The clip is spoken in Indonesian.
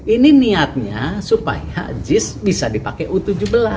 ini niatnya supaya jis bisa dipakai u tujuh belas